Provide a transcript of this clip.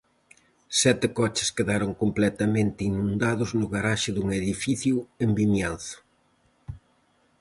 Sete coches quedaron complemente inundados no garaxe dun edificio en Vimianzo.